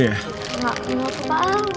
nggak enggak apa apa